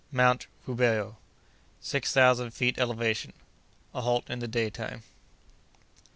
—Mount Rubeho.—Six Thousand Feet Elevation.—A Halt in the Daytime.